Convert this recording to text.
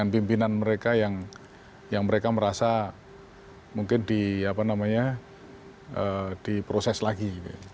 pimpinan mereka yang mereka merasa mungkin diproses lagi